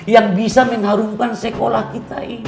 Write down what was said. yang bisa mengharumkan sekolah kita ini